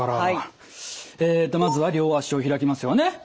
えっとまずは両足を開きますよね。